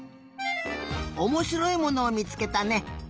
おもしろいものをみつけたね。